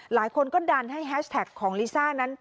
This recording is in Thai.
หลายคนก็ดันให้แฮชแท็กของลิซ่านั้น